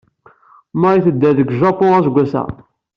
May tedder deg Japun aseggas.